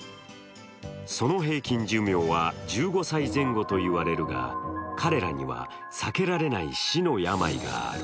その平均寿命は１５歳前後といわれるが、彼らには避けられない死の病がある。